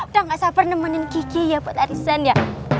udah gak sabar nemenin kiki ya buat arisan ya